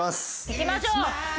いきましょう。